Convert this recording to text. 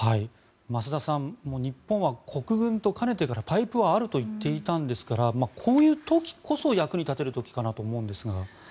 増田さん日本は国軍とかねてからパイプはあると言っていたんですからこういう時こそ役に立てる時かなと思うんですが。